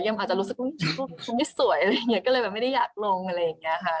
อาจจะรู้สึกคงไม่สวยอะไรอย่างนี้ก็เลยแบบไม่ได้อยากลงอะไรอย่างเงี้ยค่ะ